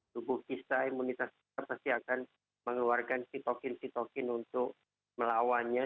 tubuh kita imunitas kita pasti akan mengeluarkan sitokin sitokin untuk melawannya